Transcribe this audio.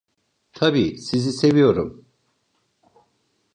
Tabii sizi seviyorum.